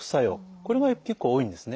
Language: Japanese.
これが結構多いんですね。